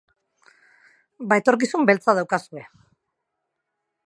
Ba etorkizun beltza daukazue!